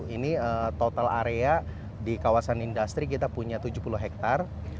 ini total area di kawasan industri kita punya tujuh puluh hektare